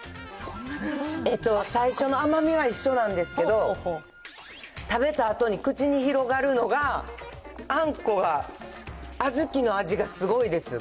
えっと最初の甘みは一緒なんですけど、食べたあとに口に広がるのが、あんこが小豆の味がすごいです。